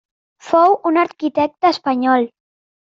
Fou un arquitecte espanyol.